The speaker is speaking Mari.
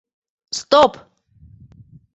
Стоп!